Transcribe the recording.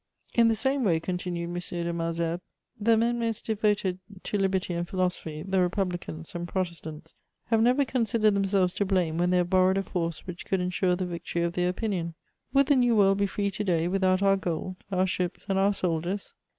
"In the same way," continued M. de Malesherbes, "the men most devoted to liberty and philosophy, the Republicans and Protestants, have never considered themselves to blame when they have borrowed a force which could ensure the victory of their opinion. Would the New World be free today without our gold, our ships, and our soldiers?